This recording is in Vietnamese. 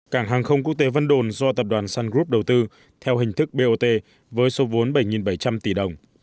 cảng hàng không quốc tế vân đồn do tập đoàn sun group đầu tư theo hình thức bot với số vốn bảy bảy trăm linh tỷ đồng